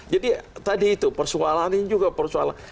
jadi tadi itu persoalan ini juga persoalan